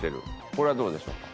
これはどうでしょうか？